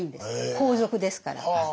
皇族ですから。